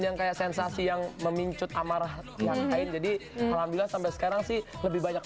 yang kayak sensasi yang memincut amarah yang lain jadi alhamdulillah sampai sekarang sih lebih banyak